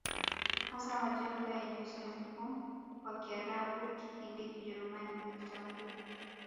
Hasa majengo yenye usanifu wa Kiarabu Kihindi Kijerumani na Kitamaduni